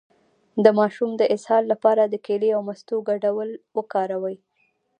د ماشوم د اسهال لپاره د کیلې او مستو ګډول وکاروئ